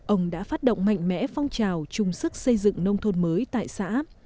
ông đã phát động mạnh mẽ phong trào chung sức xây dựng nông thôn mới tại xã